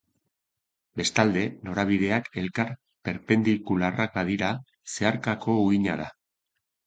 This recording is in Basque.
Bestalde, norabideak elkar perpendikularrak badira, zeharkako uhina da.